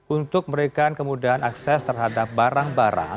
untuk memberikan kemudahan akses terhadap barang barang